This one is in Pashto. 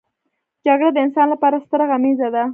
جګړه د انسان لپاره ستره غميزه ده